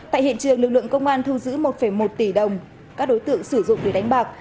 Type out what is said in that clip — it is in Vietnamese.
tại hiện trường lực lượng công an thu giữ một một tỷ đồng các đối tượng sử dụng để đánh bạc